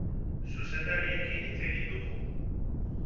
Zuzendariekin hitz egin dugu.